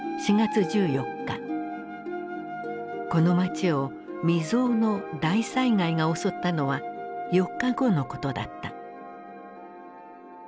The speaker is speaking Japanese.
この街を未曽有の大災害が襲ったのは４日後のことだった。